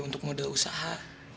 untuk modal usaha